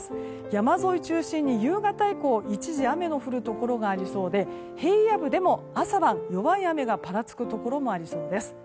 山沿い中心に夕方以降一時雨の降るところがありそうで平野部でも朝晩弱い雨がぱらつくところもありそうです。